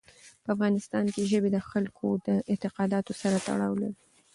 په افغانستان کې ژبې د خلکو د اعتقاداتو سره تړاو لري.